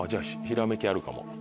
ひらめきあるかも。